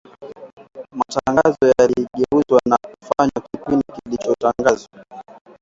matangazo yaligeuzwa na kufanywa kipindi kilichotangazwa